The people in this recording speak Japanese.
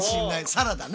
サラダね。